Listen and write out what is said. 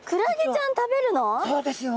そうですよ。